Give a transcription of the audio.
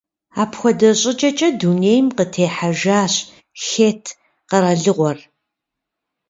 Апхуэдэ щӏыкӏэкӏэ дунейм къытехьэжащ Хетт къэралыгъуэр.